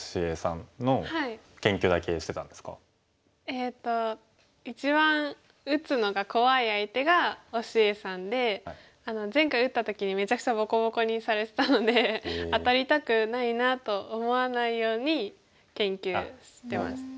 えっと一番打つのが怖い相手が於之瑩さんで前回打った時にめちゃくちゃボコボコにされたので当たりたくないなと思わないように研究してました。